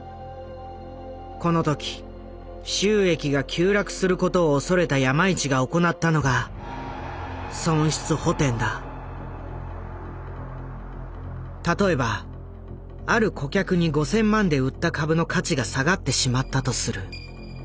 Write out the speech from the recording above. この時収益が急落することを恐れた山一が行ったのが例えばある顧客に５，０００万で売った株の価値が下がってしまったとする。